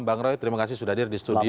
bang roy terima kasih sudah hadir di studio